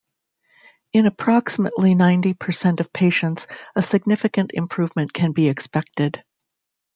In approximately ninety percent of patients, a significant improvement can be expected.